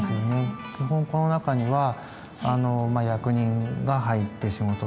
基本この中には役人が入って仕事をする。